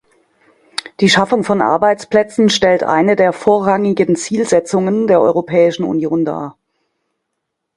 Die Schaffung von Arbeitsplätzen stellt eine der vorrangigen Zielsetzungen der europäischen Union dar.